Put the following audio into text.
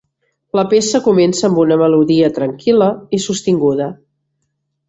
La peça comença amb una melodia tranquil·la i sostinguda.